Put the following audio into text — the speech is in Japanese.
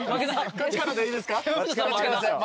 こっちからでいいですか？